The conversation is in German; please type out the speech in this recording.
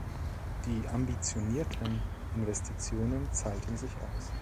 Die ambitionierten Investitionen zahlten sich aus.